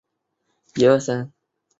高斯是一对普通夫妇的儿子。